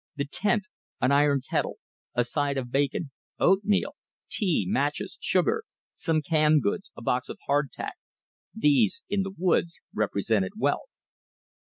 The tent, an iron kettle, a side of bacon, oatmeal, tea, matches, sugar, some canned goods, a box of hard tack, these, in the woods, represented wealth.